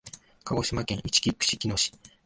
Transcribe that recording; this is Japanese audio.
鹿児島県いちき串木野市